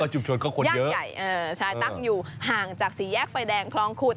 ชุมชนเขาขนย่างใหญ่ใช่ตั้งอยู่ห่างจากสี่แยกไฟแดงคลองขุด